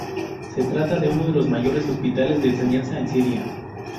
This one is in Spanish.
Se trata de uno de los mayores hospitales de enseñanza en Siria.